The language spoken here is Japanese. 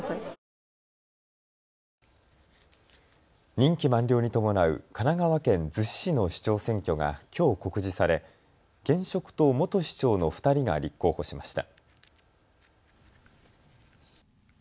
任期満了に伴う神奈川県逗子市の市長選挙がきょう告示され現職と元市長の２人が立候補しました。